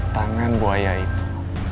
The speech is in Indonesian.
tangan buaya itu